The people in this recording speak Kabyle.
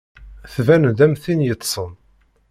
Tban-d am tin yeṭṭsen.